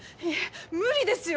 無理ですよ！